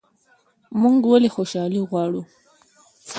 موږ ولې خوشحالي غواړو؟